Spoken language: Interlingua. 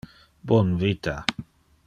Bon vita.